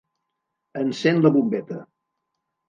Encén la bombeta.